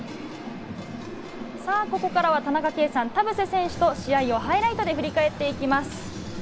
ここからは田中圭さん、田臥選手と試合をハイライトで振り返っていきます。